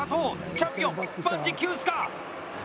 チャンピオン、万事休すか！